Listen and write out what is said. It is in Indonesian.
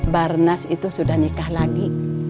barnas itu sudah nikah lagi